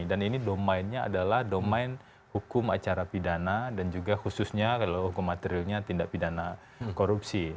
dan ini domainnya adalah domain hukum acara pidana dan juga khususnya kalau hukum materialnya tindak pidana korupsi